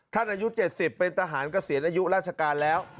อายุ๗๐เป็นทหารเกษียณอายุราชการแล้ว